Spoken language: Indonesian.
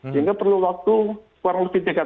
sehingga perlu waktu kurang lebih